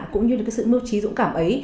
cũng như sự miêu trí dũng cảm ấy